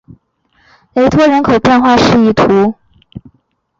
雷托人口变化图示